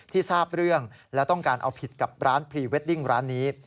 ทราบเรื่องและต้องการเอาผิดกับร้านพรีเวดดิ้งร้านนี้